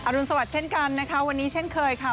รุนสวัสดิ์เช่นกันนะคะวันนี้เช่นเคยค่ะ